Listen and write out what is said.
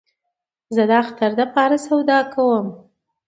زه د اختر له پاره سودا کوم